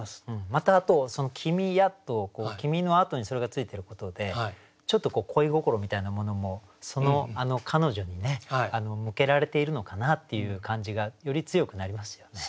またあと「君や」と「君」のあとにそれが付いてることでちょっと恋心みたいなものもその彼女に向けられているのかなっていう感じがより強くなりますよね。